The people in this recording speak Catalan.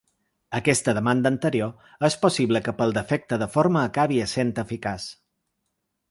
Aquesta demanda anterior és possible que pel defecte de forma acabi essent eficaç.